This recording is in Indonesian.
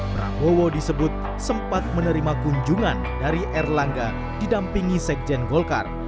prabowo disebut sempat menerima kunjungan dari erlangga didampingi sekjen golkar